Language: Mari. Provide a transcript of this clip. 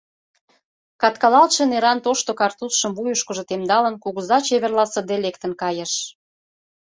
Каткалалтше неран тошто картузшым вуйышкыжо темдалын, кугыза чеверласыде лектын кайыш.